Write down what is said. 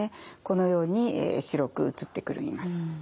このように白く写ってきます。